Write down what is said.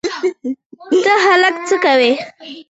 تا هلته څه کول.